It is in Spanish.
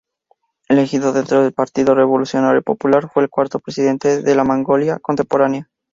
Elegido dentro del Partido Revolucionario Popular, fue el cuarto presidente de la Mongolia contemporánea.